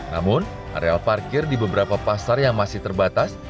namun areal parkir di beberapa pasar yang masih terbatas